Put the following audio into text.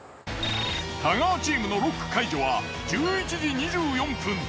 太川チームのロック解除は１１時２４分。